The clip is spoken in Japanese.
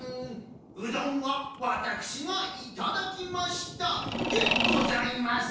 うどんはワタクシがいただきましたでございます。